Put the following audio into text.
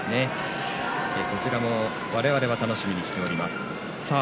そちらも我々も楽しみにしています。